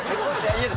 家で。